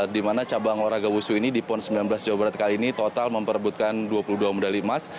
di mana cabang olahraga wusu ini di pon sembilan belas jawa barat kali ini total memperebutkan dua puluh dua medali emas